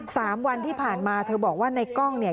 สามวันที่ผ่านมาเธอบอกว่าในกล้องเนี่ย